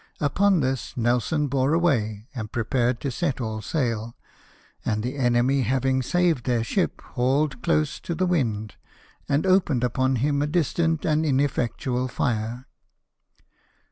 Upon this Nelson bore away, and prepared to set all sail ; and the enemy, having saved their ship, hauled close to the wind, and opened upon him a distant and in effectual fire.